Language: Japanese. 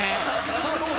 さあどうだ？